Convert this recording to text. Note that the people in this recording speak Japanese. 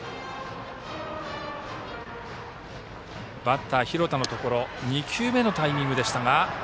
バッター、廣田のところ２球目のタイミングでした。